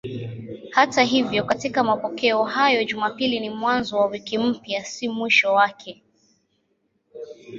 Hata hivyo katika mapokeo hayo Jumapili ni mwanzo wa wiki mpya, si mwisho wake.